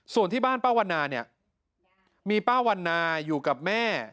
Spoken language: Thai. ส่วนที่บ้านป้าวันนาเนี่ยมีป้าวันนาอยู่กับแม่